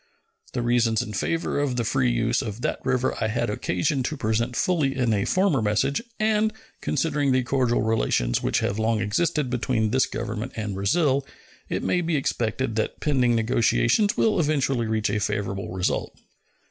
The reasons in favor of the free use of that river I had occasion to present fully in a former message, and, considering the cordial relations which have long existed between this Government and Brazil, it may be expected that pending negotiations will eventually reach a favorable result.